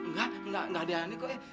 nggak nggak ada yang aneh kok